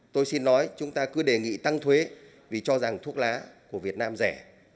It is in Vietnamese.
tôi xin nói chúng ta cứ đề nghị tăng thuế vì cho rằng thuốc lá của việt nam rẻ